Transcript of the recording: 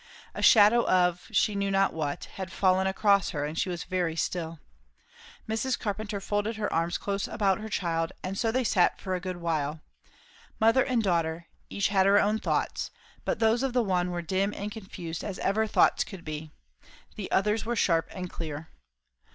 A shadow of, she knew not what, had fallen across her, and she was very still. Mrs. Carpenter folded her arms close about her child; and so they sat for a good while. Mother and daughter, each had her own thoughts; but those of the one were dim and confused as ever thoughts could be. The other's were sharp and clear.